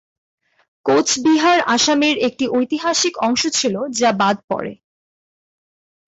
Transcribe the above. কোচবিহার আসামের একটি ঐতিহাসিক অংশ ছিল, যা বাদ পড়ে।